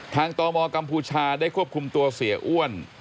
ตมกัมพูชาได้ควบคุมตัวเสียอ้วน